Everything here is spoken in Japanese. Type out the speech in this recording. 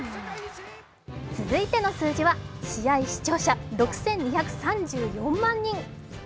続いての数字は、試合視聴者６２３４万人！